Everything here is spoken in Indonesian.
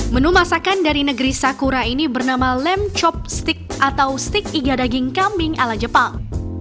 menu masakan dari negeri sakura ini bernama lem chop stick atau stik iga daging kambing ala jepang